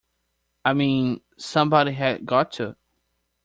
I mean, somebody had got to.